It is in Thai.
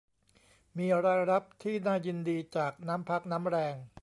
มีรายรับที่น่ายินดีจากน้ำพักน้ำแรง